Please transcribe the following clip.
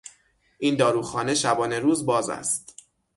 این داروخانه شبانهروز باز است.